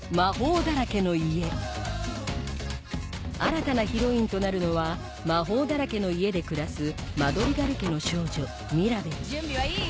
新たなヒロインとなるのは魔法だらけの家で暮らすマドリガル家の少女ミラベル